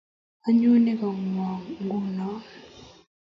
Anyone kongwong nguno